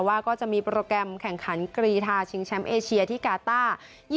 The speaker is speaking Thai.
ว่าก็จะมีโปรแกรมแข่งขันกรีทาชิงแชมป์เอเชียที่กาต้า